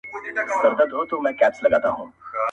خدایه ما خپل وطن ته بوزې!!